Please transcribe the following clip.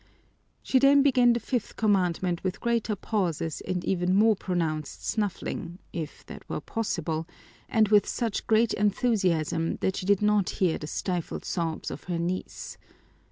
She then began the fifth commandment with greater pauses and even more pronounced snuffling, if that were possible, and with such great enthusiasm that she did not hear the stifled sobs of her niece.